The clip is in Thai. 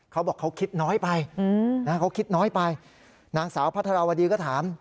เขาบอกเขาคิดน้อยไปนางสาวพระธรวดีก็ถาม